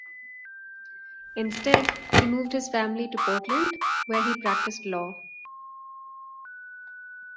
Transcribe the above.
Instead, he moved his family to Portland where he practiced law.